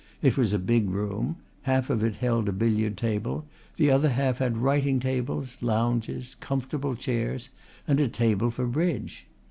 It was a big room; half of it held a billiard table, the other half had writing tables, lounges, comfortable chairs and a table for bridge.